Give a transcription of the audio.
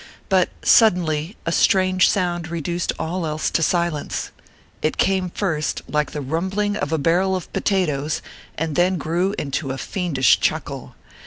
But suddenly a strange sound reduced all else to silence. It came first like the rumbling of a barrel of potatoes, and then grew into a fiendish chuckle.